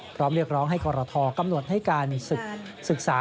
เรียกร้องให้กรทกำหนดให้การศึกษา